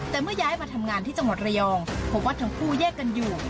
แต่เมื่อย้ายมาทำงานที่จังหวัดระยองพบว่าทั้งคู่แยกกันอยู่